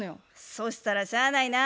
そしたらしゃあないな。